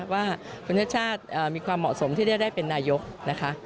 ว่าคุณชาติชาติมีความเหมาะสมที่จะได้เป็นนายกนะคะ